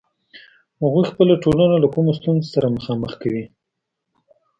هغوی خپله ټولنه له کومو ستونزو سره مخامخ کوي.